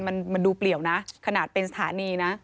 มันดูเปลี่ยวนะขนาดเป็นสถานีนะ